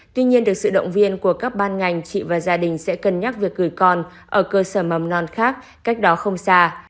tuy nhiên được sự động viên của các ban ngành chị và gia đình sẽ cân nhắc việc gửi con ở cơ sở mầm non khác cách đó không xa